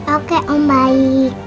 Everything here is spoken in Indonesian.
oke om baik